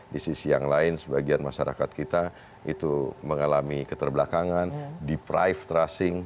di sisi yang lain sebagian masyarakat kita itu mengalami keterbelakangan deprive trussing